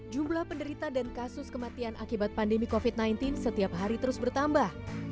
jumlah penderita dan kasus kematian akibat pandemi covid sembilan belas setiap hari terus bertambah